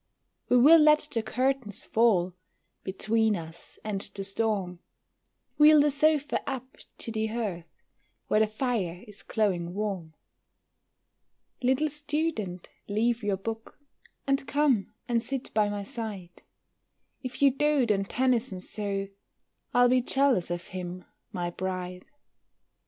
We will let the curtains fall Between us and the storm; Wheel the sofa up to the hearth, Where the fire is glowing warm. Little student, leave your book, And come and sit by my side; If you dote on Tennyson so, I'll be jealous of him, my bride.